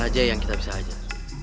ada anak aja yang kita bisa ajar